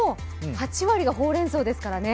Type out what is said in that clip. ８割がほうれんそうですからね。